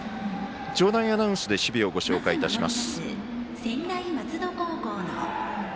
場内アナウンスで守備をご紹介します。